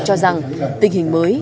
cho rằng tình hình mới